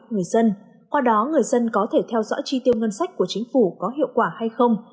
người dân qua đó người dân có thể theo dõi chi tiêu ngân sách của chính phủ có hiệu quả hay không